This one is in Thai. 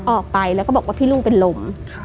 ออกไปแล้วก็บอกว่าพี่ลูกเป็นลม